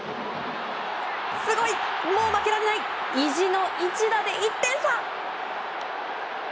すごい、もう負けられない意地の一打で１点差。